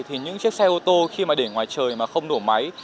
thì những chiếc xe ô tô khi mà để ngoài trời mà không đổ máy